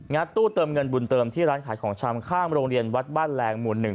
ตู้เติมเงินบุญเติมที่ร้านขายของชำข้างโรงเรียนวัดบ้านแรงหมู่๑